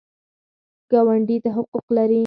ګاونډي څه حقوق لري؟